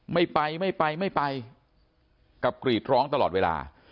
ไม่ไปไม่ไปไม่ไปกับกรีดร้องตลอดเวลา